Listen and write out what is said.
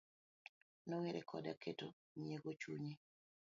Nowere koda keto nyiego e chunye